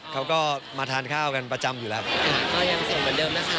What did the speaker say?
เขาก็มาทานข้าวกันประจำอยู่แล้ว